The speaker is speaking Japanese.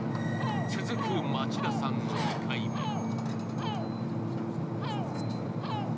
続く町田さんの２回目。